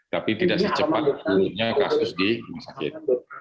tapi tidak secepat turunnya kasus di rumah sakit